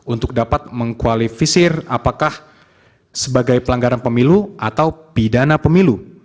untuk dapat mengkualifisir apakah sebagai pelanggaran pemilu atau pidana pemilu